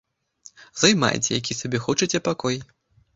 Займайце які сабе хочаце пакой.